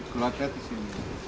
keluar lihat di sini